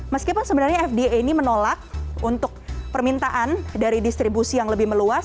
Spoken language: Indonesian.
meskipun sebenarnya fda ini menolak untuk permintaan dari distribusi yang lebih meluas